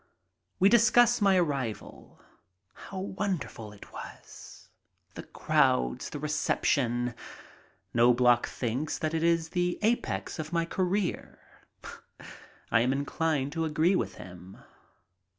We discuss my arrival. How wonderful it was. The crowds, the reception. Knobloch thinks that it is the apex of my career. I am inclined to agree with him.